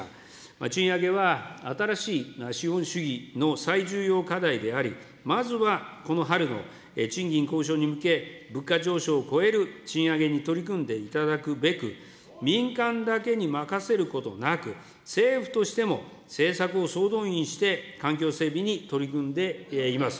賃上げは新しい資本主義の最重要課題であり、まずはこの春の、賃金交渉に向け、物価上昇を超える賃上げに取り組んでいただくべく、民間だけに任せることなく、政府としても政策を総動員して、環境整備に取り組んでいます。